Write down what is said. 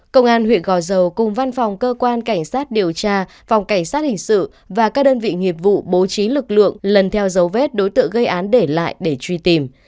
công an huyện gò dầu cùng văn phòng cơ quan cảnh sát điều tra phòng cảnh sát hình sự và các đơn vị nghiệp vụ bố trí lực lượng lần theo dấu vết đối tượng gây án để lại để truy tìm